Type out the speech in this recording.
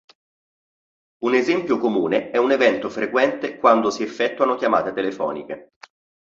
Un esempio comune è un evento frequente quando si effettuano chiamate telefoniche.